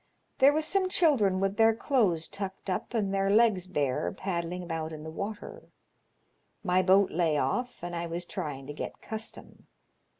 There was some children with their clothes tucked up and their legs bare, paddling about in the water. My boat lay off, and I was trying to get custom.